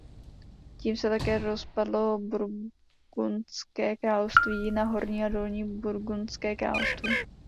Tím se také rozpadlo Burgundské království na Horní a Dolní Burgundské království.